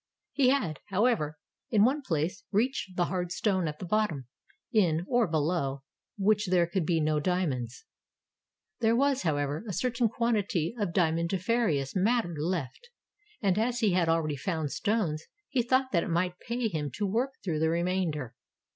He had, however, in one place reached the hard stone at the bottom, in, or below which there could be no diam.onds. There was, however, a certain quantity of diamondiferous matter left, and as he had already found stones he thought that it might pay him to work through the remainder.